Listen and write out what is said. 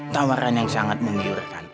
tawaran yang sangat menggigirkan